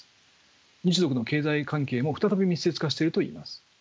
日独の経済関係も再び密接化しているといいます。